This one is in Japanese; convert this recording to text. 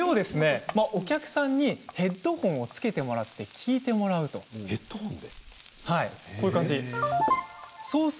お客さんにヘッドホンをつけてもらって聞いてもらうとこういう感じです。